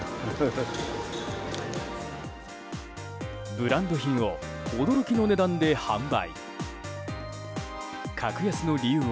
ブランド品を驚きの値段で販売。